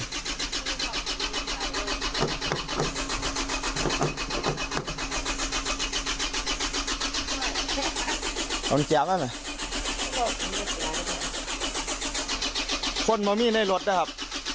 เอาอันแจบ้างไหมคนมันมีในรถนะครับ